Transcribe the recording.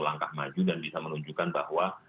langkah maju dan bisa menunjukkan bahwa